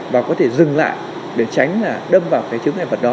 và có thể dừng lại để tránh đâm vào chướng ngại vật đó